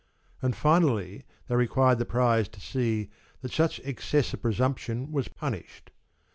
And finally they required the Priors to see that such excess of presump tion was punished.